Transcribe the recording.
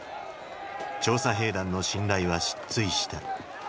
調査兵団の信頼は失墜した。